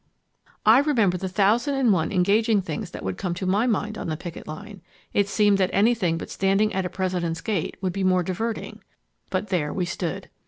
"I remember the thousand and one engaging things that would come to my mind on the picket line. It seemed that anything but standing at a President's gate would be more diverting. But there we stood.